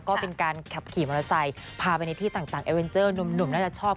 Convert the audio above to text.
ก็เป็นการขับขี่มอเตอร์ไซค์พาไปในที่ต่างเอเวนเจอร์หนุ่มน่าจะชอบ